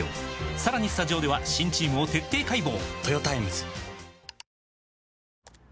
さらにスタジオでは新チームを徹底解剖！